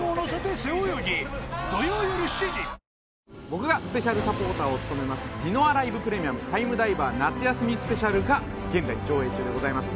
僕がスペシャルサポーターを務めます「ディノアライブ・プレミアムタイムダイバー夏休みスペシャル」が現在上演中でございます